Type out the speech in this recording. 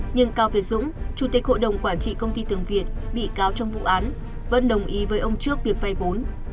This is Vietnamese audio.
nhưng cao việt dũng chủ tịch hội đồng quản trị công ty tường việt bị cáo trong vụ án vẫn đồng ý với ông trước việc vay vốn